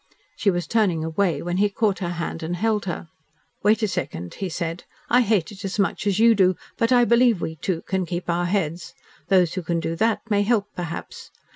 She was turning away when he caught her hand and held her. "Wait a second," he said. "I hate it as much as you do, but I believe we two can keep our heads. Those who can do that may help, perhaps.